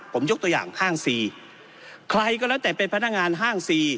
ผมยกตัวอย่างห้างซีใครก็แล้วแต่เป็นพนักงานห้างซี